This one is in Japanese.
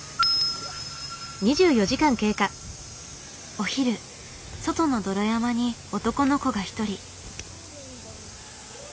お昼外の泥山に男の子が一人。